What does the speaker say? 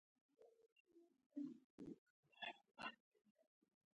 مڼه د اوسپنې منبع ده.